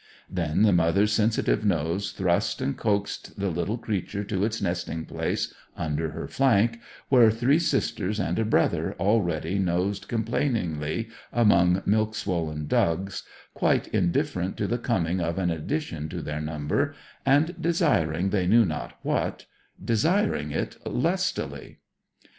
Then the mother's sensitive nose thrust and coaxed the little creature to its nesting place under her flank, where three sisters and a brother already nosed complainingly among milk swollen dugs, quite indifferent to the coming of an addition to their number, and desiring they knew not what desiring it lustily.